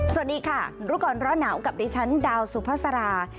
สวัสดีค่ะรู้ก่อนร้อนหนาวกับดิฉันดาวสุภาษารา